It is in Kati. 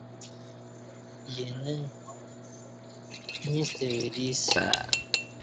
اینہ ییݩستہ وری اسہ